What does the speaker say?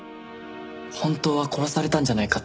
「本当は殺されたんじゃないか」